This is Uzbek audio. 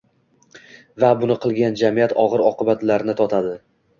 Va buni qilgan jamiyat og‘ir oqibatlarini totadi.